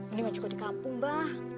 ini mah juga di kampung mba